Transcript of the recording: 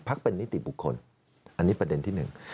เป็นนิติบุคคลอันนี้ประเด็นที่หนึ่ง